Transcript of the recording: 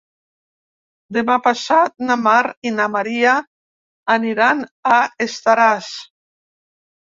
Demà passat na Mar i na Maria aniran a Estaràs.